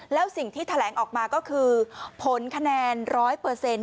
แล้วสิ่งที่แถลงออกมาก็คือผลคะแนนร้อยเปอร์เซ็นต์